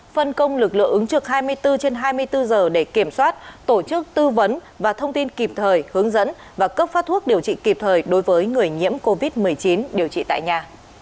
phân công lực lượng ứng trực hai mươi bốn trên hai mươi bốn giờ để kiểm soát tổ chức tư vấn và thông tin kịp thời hướng dẫn và cấp phát thuốc điều trị kịp thời đối với người nhiễm covid một mươi chín điều trị tại nhà